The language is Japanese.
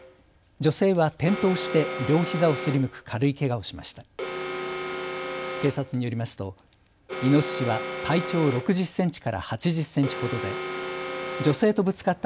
女性は転倒して両ひざをすりむく軽いけがをしました。